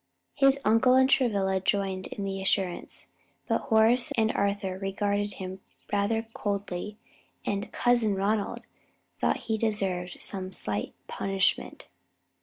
His uncle and Travilla joined in the assurance, but Horace and Arthur regarded him rather coldly, and "Cousin Ronald" thought he deserved some slight punishment.